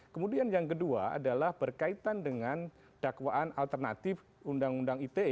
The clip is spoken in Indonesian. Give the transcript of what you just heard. kemudian yang kedua adalah berkaitan dengan dakwaan alternatif undang undang ite